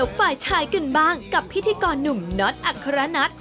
ฝ่ายชายกันบ้างกับพิธีกรหนุ่มน็อตอัครนัท